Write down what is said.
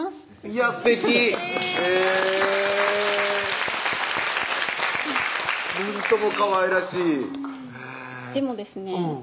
いやすてきへぇなんともかわいらしいでもですね